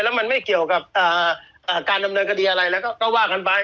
แล้วมันไม่เกี่ยวกับการดำเนินคดีอะไรแล้วก็ว่ากันไป